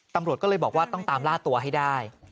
ตำรวจก็เลยบอกว่าต้องตามล่าตัวให้ได้